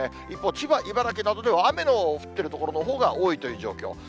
一方、千葉、茨城などでは雨の降っている所のほうが多いという状況。